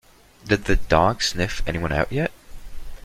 Did the dog sniff anyone out yet?